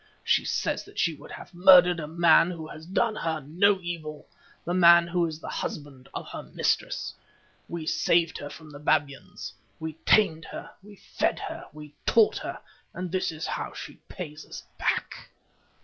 She says that she would have murdered a man who has done her no evil, the man who is the husband of her mistress. We saved her from the babyans, we tamed her, we fed her, we taught her, and this is how she pays us back.